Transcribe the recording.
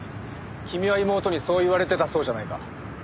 君は妹にそう言われてたそうじゃないか。